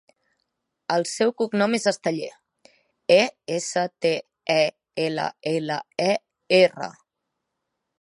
El seu cognom és Esteller: e, essa, te, e, ela, ela, e, erra.